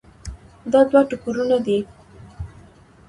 دا دوه ټوکرونه دي.